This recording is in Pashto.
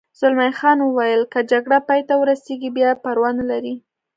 زلمی خان وویل: که جګړه پای ته ورسېږي بیا پروا نه لري.